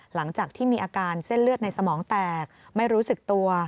หลังจากที่มีอาการเส้นเลือดในสมองแตกไม่รู้สึกตัว